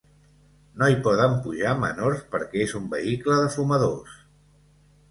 No hi poden pujar menors perquè és un vehicle de fumadors.